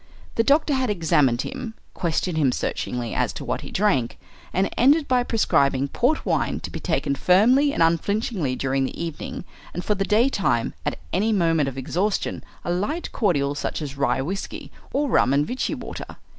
The doctor had examined him, questioned him searchingly as to what he drank, and ended by prescribing port wine to be taken firmly and unflinchingly during the evening, and for the daytime, at any moment of exhaustion, a light cordial such as rye whiskey, or rum and Vichy water.